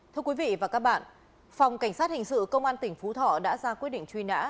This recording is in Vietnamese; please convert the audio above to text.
thưa quý vị và các bạn phòng cảnh sát hình sự công an tỉnh phú thọ đã ra quyết định truy nã